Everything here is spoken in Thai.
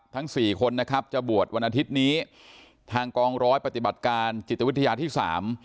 ทั้งสี่คนนะครับจะบวชวันอาทิตย์นี้ทางกองร้อยปฏิบัติการจิตวิทยาที่สาม